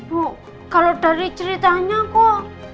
bu kalau dari ceritanya kok